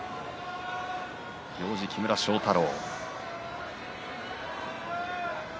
行司は木村庄太郎。